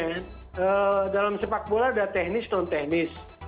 makanya dalam sepak bola ada teknis dan non teknis